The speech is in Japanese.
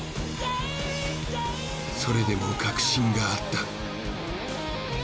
それでも確信があった。